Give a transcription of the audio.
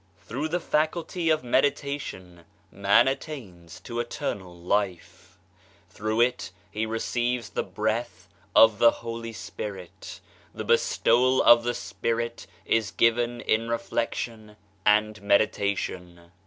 Through the faculty of meditation man attains to eternal life ; through it he receives the breath of the Holy Spirit the bestowal of the Spirit is given in reflection and meditation.